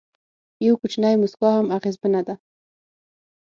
یو کوچنی موسکا هم اغېزمنه ده.